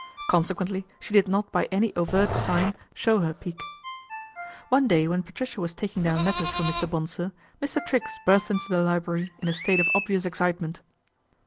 Consequently she did not by any overt sign show her pique One day when Patricia was taking down letters for Mr. Bonsor, Mr. Triggs burst into the library in a state of obvious excitement.